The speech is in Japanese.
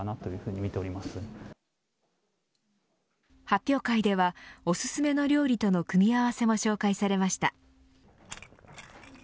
発表会ではおすすめの料理との組み合わせも紹介されました。